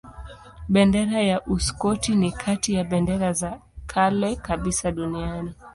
Bendera ya Uskoti ni kati ya bendera za kale kabisa duniani.